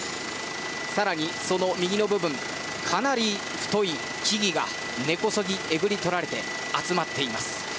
更に、その右の部分かなり太い木々が根こそぎ、えぐり取られて集まっています。